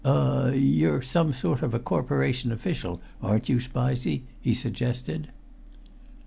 "Er you're some sort of a Corporation official, aren't you, Spizey?" he suggested.